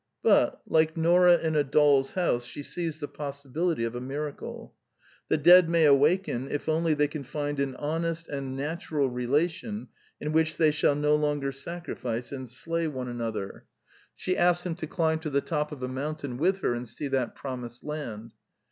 But, like Nora in A Doll's House, she sees the possibility of a miracle. The dead may awaken if only they can find an honest and natural relation in which they shall no longer sacrifice and slay one another. i8o The Quintessence of Ibsenism She asks him to climb to the top of a mountain with her and see that promised land.